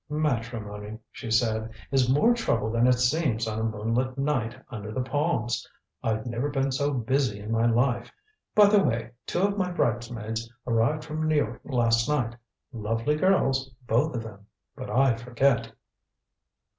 "Matrimony," she said, "is more trouble than it seems on a moonlit night under the palms. I've never been so busy in my life. By the way, two of my bridesmaids arrived from New York last night. Lovely girls both of them. But I forget!"